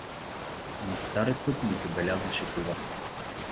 Но старецът не забелязваше това.